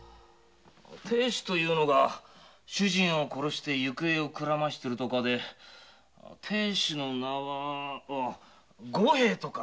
亭主が主人を殺し行方をくらませているとかで亭主の名は五平とか。